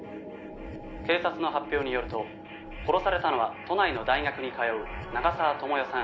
「警察の発表によると殺されたのは都内の大学に通う長沢智世さん